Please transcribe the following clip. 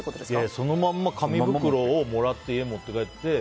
そのまんま紙袋をもらって家に持って帰って。